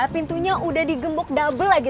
pintunya udah digembok double lagi